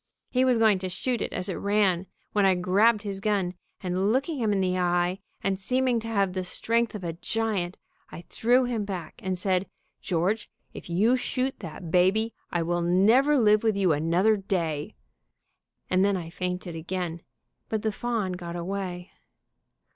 He was going to shoot it as it ran, when I grabbed his gun, and looking him in the eye, and seeming to have the strength of a giant, I threw him back, and said, 'George, if you shoot that baby I will never live with you another day,' and then I fainted again, but the fawn got away.